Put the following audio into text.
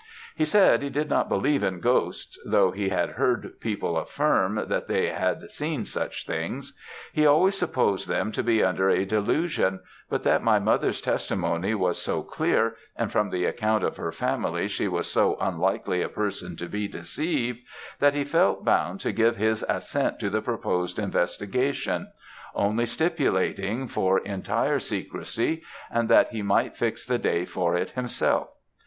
He said, he did not believe in ghosts; though he had heard people affirm, that they had seen such things; he always supposed them to be under a delusion; but that my mother's testimony was so clear, and from the account of her family she was so unlikely a person to be deceived, that he felt bound to give his assent to the proposed investigation; only stipulating for entire secrecy, and that he might fix the day for it himself.